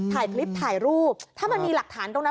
ถ่ายคลิปถ่ายรูปถ้ามันมีหลักฐานตรงนั้น